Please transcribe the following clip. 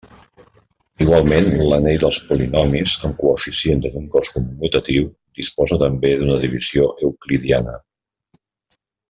Igualment, l'anell dels polinomis amb coeficients en un cos commutatiu, disposa també d'una divisió euclidiana.